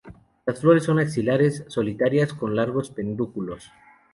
Las flores son axilares, solitarias con largos pedúnculos.